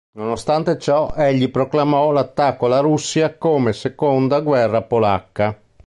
Nonostante ciò, egli proclamò l'attacco alla Russia come "seconda guerra Polacca".